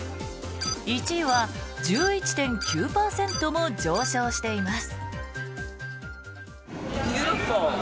１位は１１．９％も上昇しています。